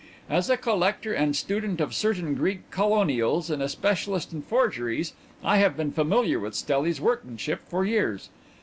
As a collector and student of certain Greek colonials and a specialist in forgeries I have been familiar with Stelli's workmanship for years.